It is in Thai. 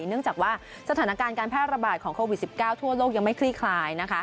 เนื่องจากว่าสถานการณ์การแพร่ระบาดของโควิด๑๙ทั่วโลกยังไม่คลี่คลาย